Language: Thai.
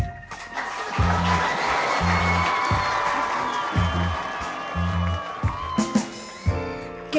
ขอบคุณครับ